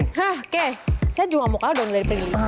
hah oke saya juga mau kalah dong dari prilly